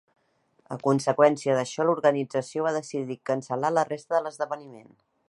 A conseqüència d'això, l'organització va decidir cancel·lar la resta de l'esdeveniment.